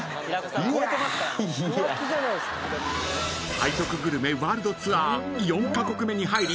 ［背徳グルメワールドツアー４カ国目に入り］